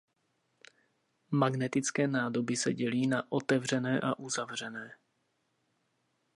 Magnetické nádoby se dělí na otevřené a uzavřené.